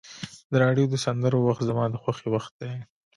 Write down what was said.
د راډیو د سندرو وخت زما د خوښۍ وخت دی.